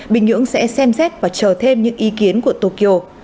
bình nhưỡng sẽ xem xét và chờ thêm những ý kiến của tokyo